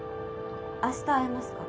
明日会えますか？